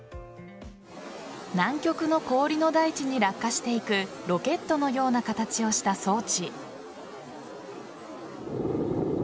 南極の氷の大地に落下していくロケットのような形をした装置。